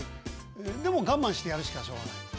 でも我慢してやるしかしょうがない。